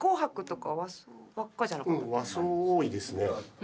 和装多いですね。